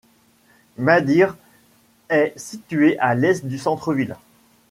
Mađir est situé à l'est du centre ville.